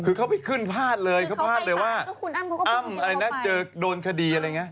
คือเขาไปขึ้นพลาดเลยเขาพลาดเลยว่าคุณอ้ำอะไรนะเจอโดนคดีอะไรอย่างนี้